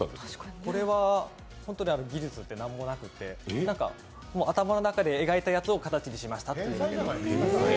これは技術って何もなくて頭の中で描いたやつを形にしました。